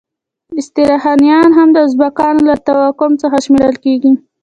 استرخانیان هم د ازبکانو له توکم څخه شمیرل کیږي.